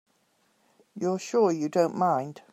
You're sure you don't mind?